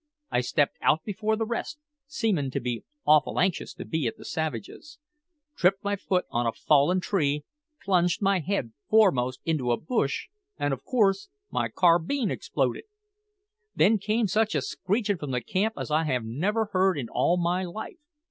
I stepped out before the rest, seemin' to be awful anxious to be at the savages, tripped my foot on a fallen tree, plunged head foremost into a bush, an' ov coorse my carbine exploded! Then came such a screechin' from the camp as I never heard in all my life.